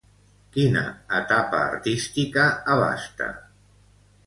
Quina etapa artística abasta?